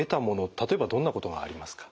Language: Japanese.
例えばどんなことがありますか？